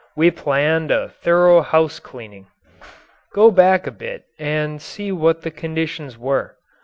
We planned a thorough house cleaning. Go back a bit and see what the conditions were.